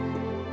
udah ngepot ya